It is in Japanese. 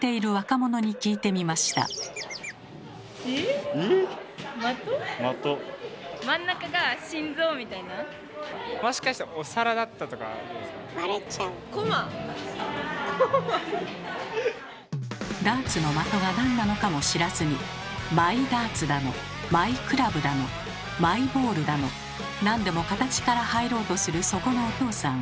もしかしてダーツの「まと」が何なのかも知らずにマイダーツだのマイクラブだのマイボールだの何でも形から入ろうとするそこのおとうさん。